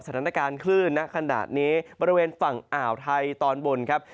สถานการณ์คลื่นนะขณะนี้บริเวณฝั่งอ่าวไทยตอนบนครับ